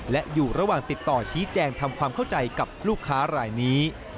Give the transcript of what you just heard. และอยู่ระหว่างติดต่อชี้แจงทำความเข้าใจกับลูกค้ารายนี้